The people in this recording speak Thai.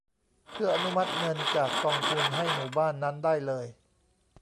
เพื่ออนุมัติเงินจากกองทุนให้หมู่บ้านนั้นได้เลย